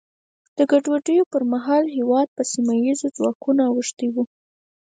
د ګډوډیو پر مهال هېواد په سیمه ییزو ځواکونو اوښتی و.